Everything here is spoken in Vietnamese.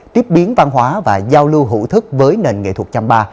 tiếp biến văn hóa và giao lưu hữu thức với nền nghệ thuật chăm ba